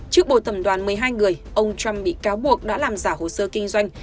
trước bầu tập đoàn một mươi hai người ông trump bị cáo buộc đã làm giả hồ sơ kinh doanh